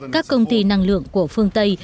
các công ty năng lượng của phương tây